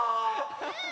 うん！